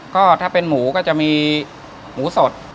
ก็ถ้าเป็นหมูก็จะมีหมูสด